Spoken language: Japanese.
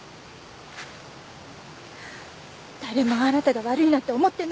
誰もあなたが悪いなんて思ってない。